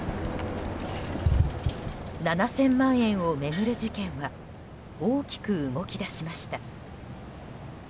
７０００万円を巡る事件は大きく動き出しました。